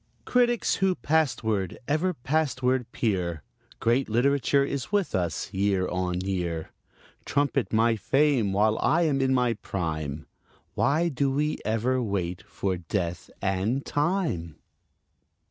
Critics, who pastward, ever pastward peer, Great literature is with us year on year. Trumpet my fame while I am in my prime: Why do we ever wait for Death and Time?